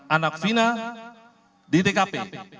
anak fina di tkp